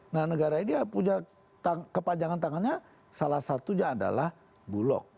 nah negara ini punya kepanjangan tangannya salah satunya adalah bulog